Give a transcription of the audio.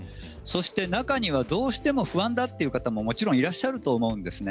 中にはどうしても不安だという方ももちろんいらっしゃると思うんですね。